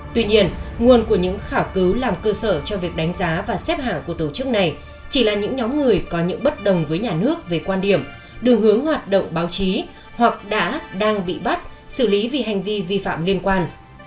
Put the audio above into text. tuy nhiên nguồn của những khảo cứu làm cơ sở cho việc đánh giá và xếp hạng của tổ chức này chỉ là những nhóm người có những bất đồng với nhà nước về quan điểm đường hướng hoạt động báo chí hoặc đã đang bị bắt xử lý vì hành vi vi phạm liên quan